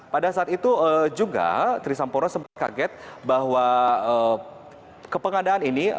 pada saat itu juga trisampurno sempat kaget bahwa kepengadaan ini